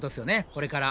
これから。